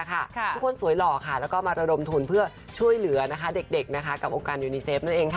ทุกคนสวยหล่อค่ะแล้วก็มาระดมทุนเพื่อช่วยเหลือเด็กกับโอกาสยูนีเซฟ